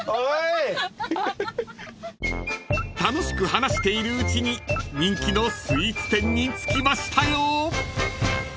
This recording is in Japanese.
［楽しく話しているうちに人気のスイーツ店に着きましたよ］